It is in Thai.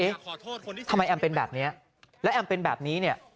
ทำไมแอมเป็นแบบนี้แล้วแอมเป็นแบบนี้เนี่ย